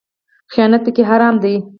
خیانت پکې حرام دی